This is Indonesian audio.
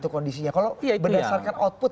kondisinya kalau berdasarkan output